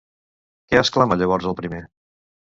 Què exclama llavors el primer?